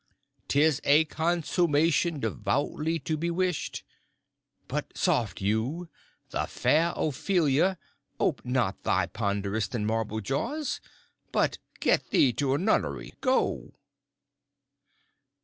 'Tis a consummation devoutly to be wished. But soft you, the fair Ophelia: Ope not thy ponderous and marble jaws. But get thee to a nunnery—go!